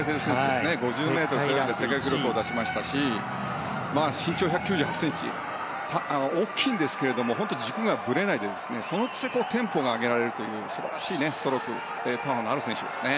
５０ｍで世界記録を出しましたし身長１９８ｃｍ大きいんですけれども本当に軸がぶれないでそのくせテンポが上げられるという素晴らしいストロークパワーのある選手ですね。